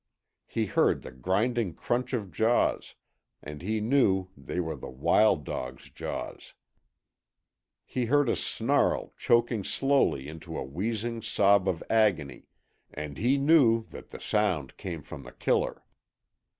He heard the grinding crunch of jaws, and he knew they were the Wild Dog's jaws; he heard a snarl choking slowly into a wheezing sob of agony, and he knew that the sound came from The Eller.